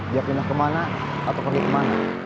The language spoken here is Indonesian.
dia pindah kemana atau pergi kemana